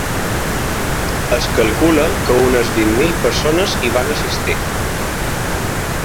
Es calcula que unes vint mil persones hi van assistir.